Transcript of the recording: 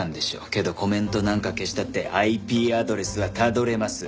けどコメントなんか消したってＩＰアドレスはたどれます。